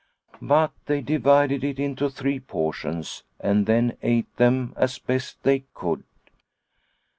But they divided it into three portions, and then ate them as best they could.